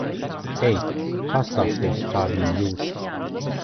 Ej. Pastāstīsi, kā viņa jūtas.